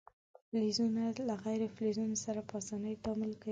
فلزونه له غیر فلزونو سره په اسانۍ تعامل کوي.